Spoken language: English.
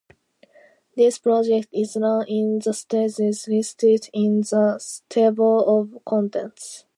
This project is run in the stages listed in the table of contents.